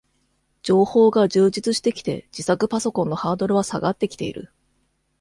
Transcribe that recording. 情報が充実してきて、自作パソコンのハードルは下がってきている